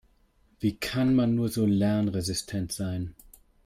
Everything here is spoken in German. Wie kann man nur so lernresistent sein?